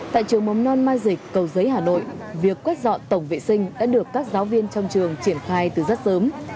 tại trường mầm non mai dịch cầu giấy hà nội việc quét dọn tổng vệ sinh đã được các giáo viên trong trường triển khai từ rất sớm